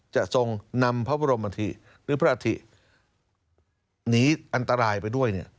จะทรงนำพระบรมธีหรือพระธิหนีอันตรายไปด้วยเนี่ย